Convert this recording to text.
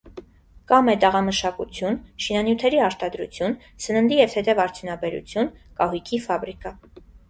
Կա մետաղամշակություն, շինանյութերի արտադրություն, սննդի և թեթև արդյունաբերություն, կահույքի ֆաբրիկա։